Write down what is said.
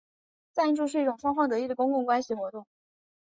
赞助是一种双方得益的公共关系活动。